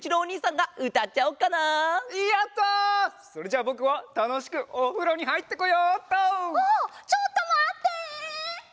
ああっちょっとまって！